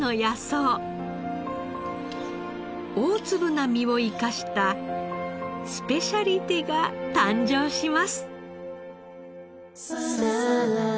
大粒な身を生かしたスペシャリテが誕生します。